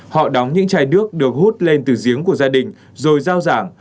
họ đóng những chai nước được hút lên từ giếng của gia đình rồi giao giảng